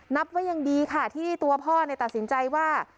นับว่ายังดีค่ะที่ตัวพ่อตัดสินใจว่า